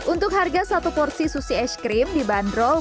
untuk harga satu porsi sushi es krim di bandrol